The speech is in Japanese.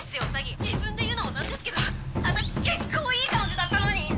自分で言うのもなんですけど私結構いい感じだったのに！」